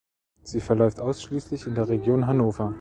Sie verläuft ausschließlich in der Region Hannover.